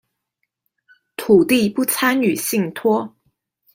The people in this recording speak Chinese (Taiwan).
土地不參與信託